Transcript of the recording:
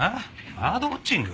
バードウォッチング？